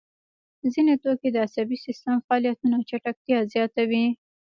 ځیني توکي د عصبي سیستم فعالیتونه چټکتیا زیاتوي.